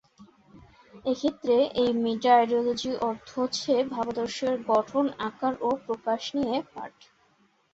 এক্ষেত্রে এই মেটা-আইডিওলজি অর্থ হচ্ছে ভাবাদর্শ এর গঠন, আকার ও প্রকাশ নিয়ে পাঠ।